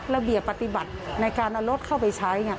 ระเบียบปฏิบัติในการเอารถเข้าไปใช้